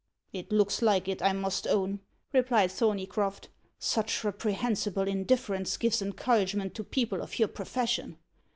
"It looks like it, I must own," replied Thorneycroft. "Such reprehensible indifference gives encouragement to people of your profession.